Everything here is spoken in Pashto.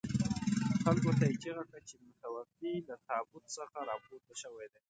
خلکو ته یې چيغه کړه چې متوفي له تابوت څخه راپورته شوي دي.